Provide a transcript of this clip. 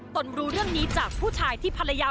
ตนรู้เรื่องนี้จากผู้ชายที่ภรรยา